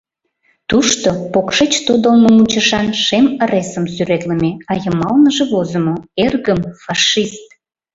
Тушто покшеч тодылмо мучашан шем ыресым сӱретлыме, а йымалныже возымо: «Эргым — фашист!»